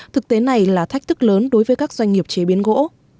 thực tế này là thách thức lớn đối với các doanh nghiệp chế biến gỗ